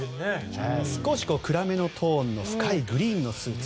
少し暗めのトーンの深いグリーンのスーツ。